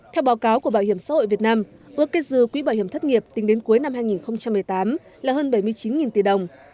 theo báo cáo của bảo hiểm xã hội việt nam ước kết dư quỹ bảo hiểm thất nghiệp tính đến cuối năm hai nghìn một mươi tám là hơn bảy mươi chín tỷ đồng